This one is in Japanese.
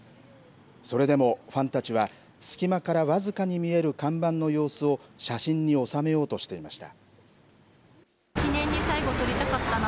それでもファンたちは隙間から僅かに見える看板の様子を写真に収めようとしていました。